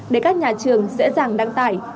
để các nhà trường dễ dàng đăng tải